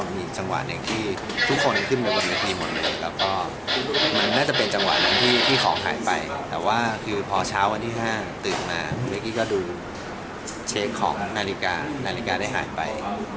เมื่อกี้ก็ดูเชคของนาฬิกานาฬิกาได้หายไป